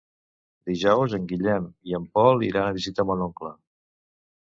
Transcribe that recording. Dijous en Guillem i en Pol iran a visitar mon oncle.